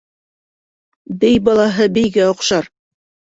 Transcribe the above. Бей балаһы бейгә оҡшар.